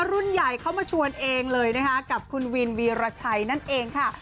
รุ่นใหญ่เข้ามาชวนเองเลยนะคะกับคุณวินวีรชัยนั่นเองค่ะ